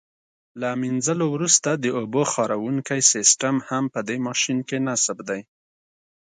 له منځلو وروسته د اوبو خاروونکی سیسټم هم په دې ماشین کې نصب دی.